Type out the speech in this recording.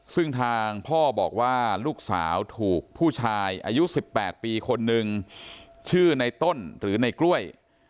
ซึ่งทางพ่อบอกว่าลูกสาวถูกผู้ชายอายุ๑๘ปีคนนึงชื่อในต้นหรือในกล้วย